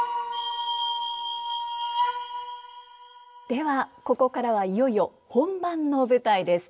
ではここからはいよいよ本番の舞台です。